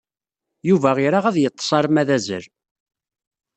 Yuba ira ad yeḍḍes arma d azal.